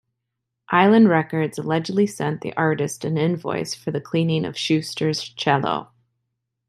Island Records allegedly sent the artist an invoice for the cleaning of Schuster's cello.